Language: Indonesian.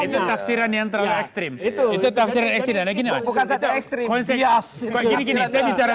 terakhiran yang terakhir itu taksiran yakin masyarakat ekstrim konsep isi ginit saya bicara